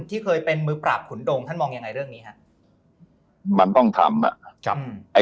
ที่เคยเป็นมือปราบขุนดงท่านมองยังไงเรื่องนี้ฮะมันต้องทำอ่ะครับ